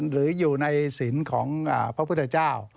หรืออยู่ในศิลป์ของพระพุทธเจ้า